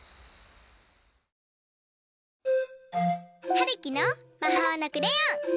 はるきのまほうのクレヨン！